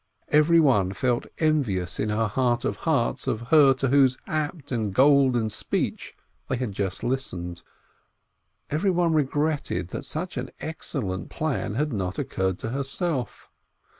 Every one felt envious in her heart of hearts of her to whose apt and golden speech they had just listened. Everyone regretted that such an excellent plan had not occurred to herself.